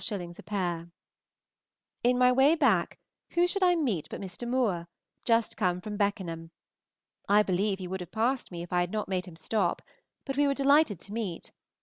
_ a pair. In my way back who should I meet but Mr. Moore, just come from Beckenham. I believe he would have passed me if I had not made him stop, but we were delighted to meet.